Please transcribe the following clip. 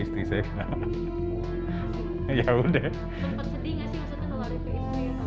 sempet sedih nggak sih maksudnya kalau ada psb